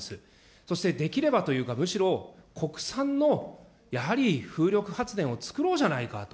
そしてできればというか、むしろ国産のやはり風力発電をつくろうじゃないかと。